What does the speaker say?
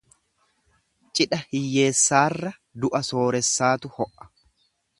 Cidha hiyyeessaarra du'a sooressaatu ho'a.